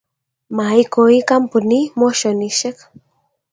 maikoi kampunii moshonishek